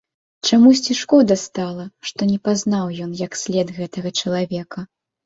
Чамусьці шкода стала, што не пазнаў ён як след гэтага чалавека.